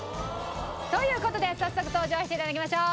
という事で早速登場して頂きましょう！